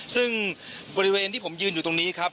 ซึ่งบริเวณที่ผมยืนอยู่ตรงนี้ครับ